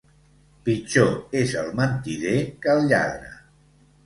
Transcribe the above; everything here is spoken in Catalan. Pitjor és el mentider que el lladre.